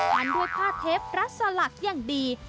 พันด้วยผ้าเทปรัดสลักอย่างดี